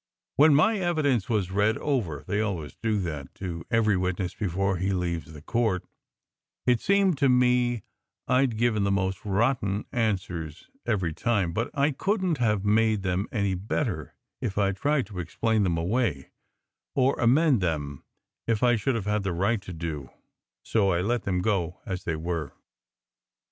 When my evidence was read over (they always do that to every witness before he leaves the court) it seemed to me I d given the most rotten answers every time; but I couldn t have made them any better if I d tried to explain them away, or amend them as I should have had the right to do; so I let them go as they were.